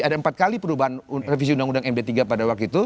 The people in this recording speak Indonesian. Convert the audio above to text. ada empat kali perubahan revisi undang undang md tiga pada waktu itu